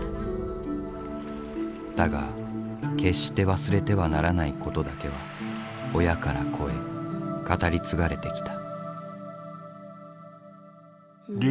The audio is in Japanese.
だが決して忘れてはならないことだけは親から子へ語り継がれてきた。